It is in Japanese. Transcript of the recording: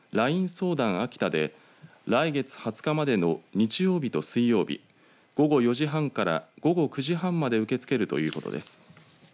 相談あきたで来月２０日までの日曜日と水曜日午後４時半から午後９時半まで受け付けるということです。